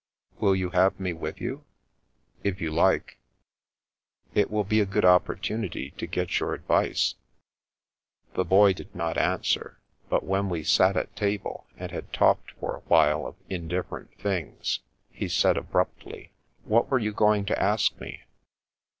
" Will you have me with you ?"" If you like." It will be a good opportunity to get your ad vice." The Boy did not answer ; but when we sat at table, and had talked for a while of indifferent things, he said abruptly :" What were you going to ask me